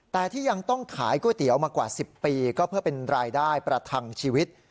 แต่ที่ยังต้องขายก๋วยเตี๋ยวมากว่า๑๐ปีก็เพื่อเป็นรายได้ประทังชีวิต